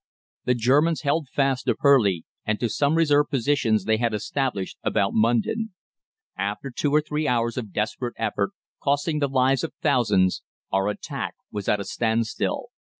The Germans held fast to Purleigh and to some reserve positions they had established about Mundon. After two or three hours of desperate effort, costing the lives of thousands, our attack was at a standstill.